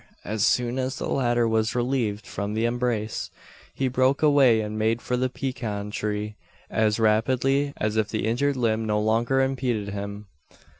As soon as the latter was relieved from the embrace, he broke away and made for the pecan tree; as rapidly as if the injured limb no longer impeded him.